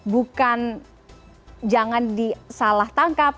bukan jangan disalah tangkap